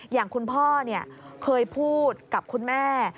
อย่างคุณพ่อเคยพูดกับคุณแม่